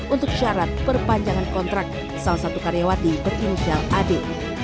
untuk syarat perpanjangan kontrak salah satu karyawati berimikal ade